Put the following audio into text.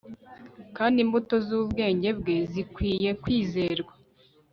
kandi imbuto z'ubwenge bwe zikwiye kwizerwa